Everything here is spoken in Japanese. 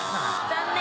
残念。